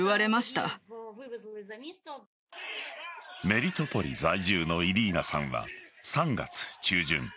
メリトポリ在住のイリーナさんは３月中旬